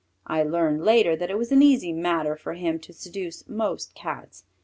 I learned later that it was an easy matter for him to seduce most Cats.